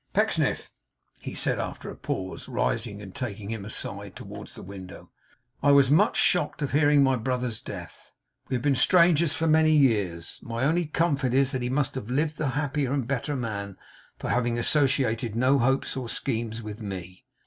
'Pecksniff,' he said after a pause, rising and taking him aside towards the window, 'I was much shocked on hearing of my brother's death. We had been strangers for many years. My only comfort is that he must have lived the happier and better man for having associated no hopes or schemes with me.